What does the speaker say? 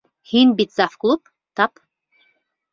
Һин бит завклуб, тап.